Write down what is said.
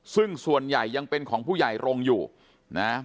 ซึ่งส่วนใหญ่ยังเป็นของผู้ใหญ่โรงอยู่นะ